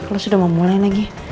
lo sudah mau mulai lagi